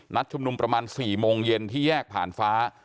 ชุมนุมประมาณ๔โมงเย็นที่แยกผ่านฟ้า